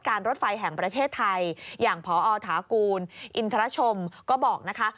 รถไฟแห่งประเทศไทยอย่างพอถากูลอินทรชมก็บอกนะคะ